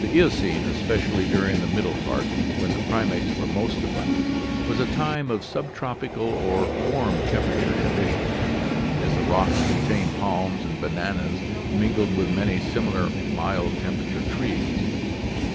The Eocene, especially during the middle part, when the primates were most abundant, was a time of subtropical or warm temperate conditions, as the rocks contain palms and bananas mingled with many similar mild temperate trees.